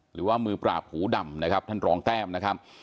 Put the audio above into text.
หรือว่ามือปราบหูดำนะครับท่านรองแต้มนะครับ